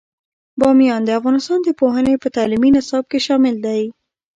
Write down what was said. بامیان د افغانستان د پوهنې په تعلیمي نصاب کې شامل دی.